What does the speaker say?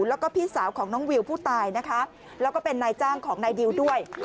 แล้วก็พี่สาวของน้องวิวผู้ตายนะคะแล้วก็เป็นนายจ้างของนายดิวด้วย